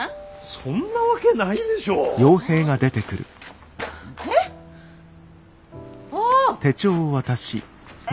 そんなわけないでしょう。はあ？え？